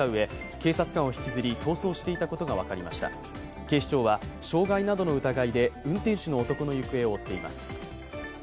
警視庁は傷害などの疑いで運転手の男の行方を追っています。